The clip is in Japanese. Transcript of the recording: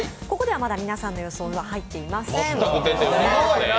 ここではまだ皆さんの予想は入っていません。